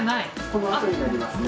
このあとになりますね。